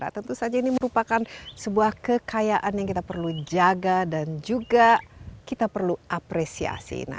tentu saja ini merupakan sebuah kekayaan yang kita perlu jaga dan juga kita perlu apresiasi